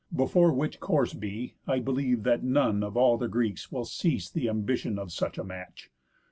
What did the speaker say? Before which course be, I believe that none Of all the Greeks will cease th' ambitión Of such a match.